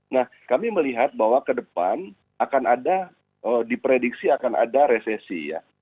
nah kami melihat bahwa ke depan akan ada diprediksi akan ada resesi ya